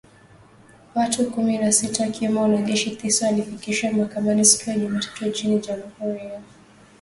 Watu kumi na sita ,wakiwemo wanajeshi tisa, walifikishwa mahakamani siku ya Jumatatu nchini Jamuhuri ya Kidemokrasia ya Kongo